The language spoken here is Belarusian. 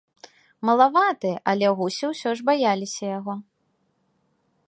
Малаваты, але гусі ўсё ж баяліся яго.